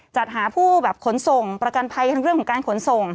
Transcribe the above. จัดหาผู้แบบขนส่งประกันภัยทั้งเรื่องของการขนส่ง